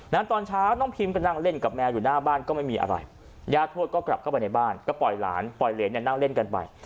ตอนเช้าน้องพิมก็นั่งเล่นกับแมวอยู่หน้าบ้านก็ไม่มีอะไรญาติทวดก็กลับเข้าไปในบ้านก็ปล่อยหลานปล่อยเหรนเนี่ยนั่งเล่นกันไป